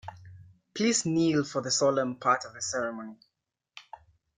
Please kneel for the solemn part of the ceremony.